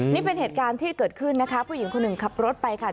นี่เป็นเหตุการณ์ที่เกิดขึ้นนะคะผู้หญิงคนหนึ่งขับรถไปค่ะ